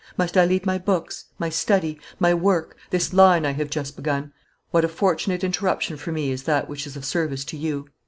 Must I leave my books, my study, my work, this line I have just begun? What a fortunate interruption for me is that which is of service to you!"